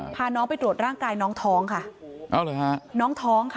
พาน้องไปตรวจร่างกายน้องท้องค่ะน้องท้องค่ะ